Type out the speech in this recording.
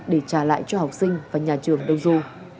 để trả lại cho học sinh và nhà trường đông du